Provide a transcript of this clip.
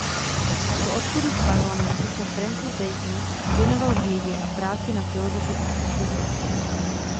Po odchodu z parlamentu se Francis Bacon věnoval vědě a práci na filozofických spisech.